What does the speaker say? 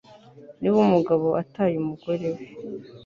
niba umugabo ataye umugore we